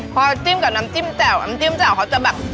พอจิ้มกับน้ำจิ้มแจ่วน้ำจิ้มแจ่วเขาจะแบบ